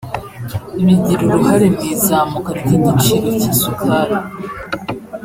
bigira uruhare mu izamuka ry’igiciro cy’isukari